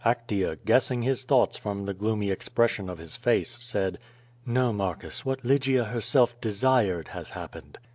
Actea, guessing his thoughts from the gloomy expression of his face, said: ^^No, Marcus, what Lygia herself desired, has happened."